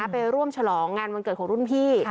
ไปร่วมฉลองงานวันเกิดของรุ่นพี่